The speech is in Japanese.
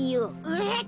えっ？